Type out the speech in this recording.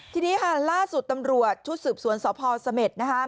ทีนี้ล่าสุดตำรวจชุดสืบสวนสภาวสเม็ด